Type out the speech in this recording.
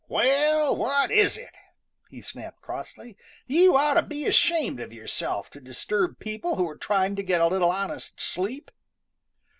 "Well, what is it?" he snapped crossly. "You ought to be ashamed of yourself to disturb people who are trying to get a little honest sleep."